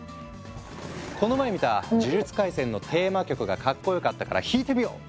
この前見た「呪術廻戦」のテーマ曲がかっこよかったから弾いてみよう！